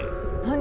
何？